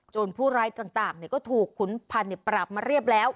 ผู้ร้ายต่างก็ถูกขุนพันธุ์ปรับมาเรียบร้อยแล้ว